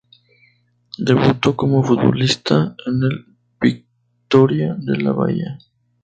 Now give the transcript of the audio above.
Debutó como futbolista en el Vitória de Bahía.